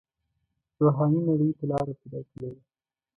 روحاني نړۍ ته لاره پیدا کړې ده.